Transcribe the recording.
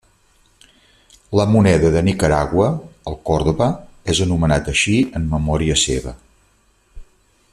La moneda de Nicaragua, el Córdoba, és anomenat així en memòria seva.